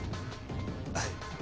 はい。